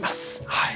はい。